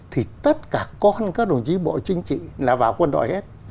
thì tất cả con các đồng chí bộ chính trị là vào quân đội hết